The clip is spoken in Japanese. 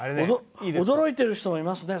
驚いてる人もいますね。